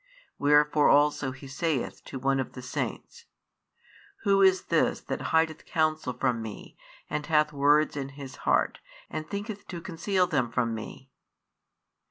Wherefore also He saith to one of the saints: Who is this that hideth counsel from Me, and hath words in his heart, and thinketh to conceal them from Me?